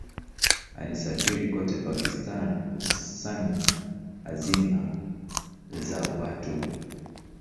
Alisafiri kote Pakistan kukusanya hazina za watu.